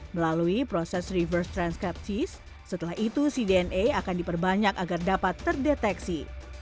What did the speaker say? melalui proses reverse transcapties setelah itu cdna akan diperbanyak agar dapat terdeteksi